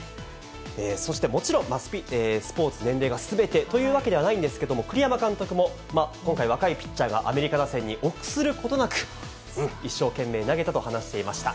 そしてもちろんスポーツ、年齢がすべてというわけではないんですけども、栗山監督も、今回、若いピッチャーがアメリカ打線に臆することなく、一生懸命投げたと話していました。